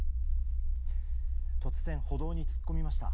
突然歩道に突っ込みました。